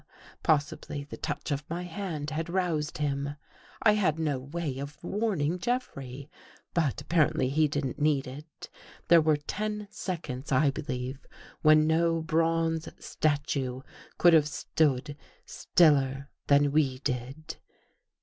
Possibly the touch of my hand had roused him. I had no way of warning Jeffrey. But appar ently he didn't need it. There were ten seconds, I believe, when no bronze statue could have stood stiller than we did.